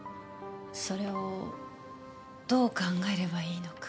それをどう考えればいいのか。